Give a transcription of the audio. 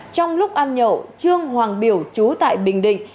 trong lúc ăn nhậu trương hoàng biểu chú tại bình định